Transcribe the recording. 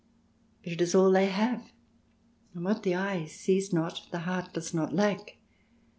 But it is all they have, and what the eye sees not, the heart does not lack.